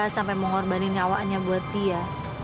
sampai mengorbanin nyawanya buat dia